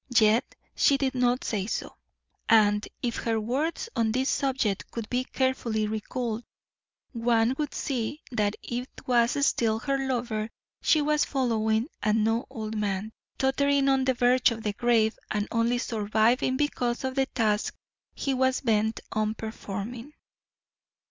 Yet she did not say so, and if her words on this subject could be carefully recalled, one would see that it was still her lover she was following and no old man, tottering on the verge of the grave and only surviving because of the task he was bent on performing.